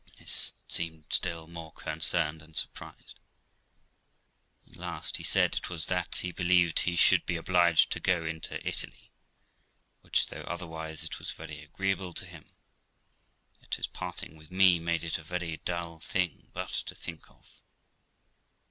I seemed still more concerned and surprised. At last he said it was that he believed he should be obliged to go into Italy, which, though otherwise it was very agreeable to him, yet his parting with me made it a very dull thing but to think of.